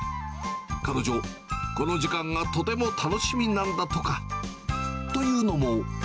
彼女、この時間がとても楽しみなんだとか。というのも。